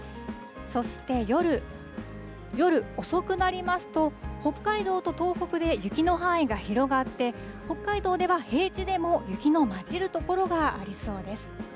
そして、夜遅くなりますと、北海道と東北で雪の範囲が広がって、北海道では平地でも雪の交じる所がありそうです。